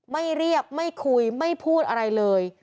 ไม่เรียกไม่คุยไม่พูดอะไรเลย